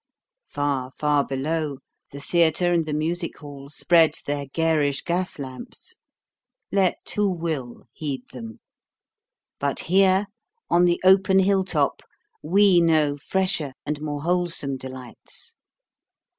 Far, far below, the theatre and the music hall spread their garish gas lamps. Let who will heed them. But here on the open hill top we know fresher and more wholesome delights.